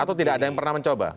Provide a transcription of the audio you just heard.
atau tidak ada yang pernah mencoba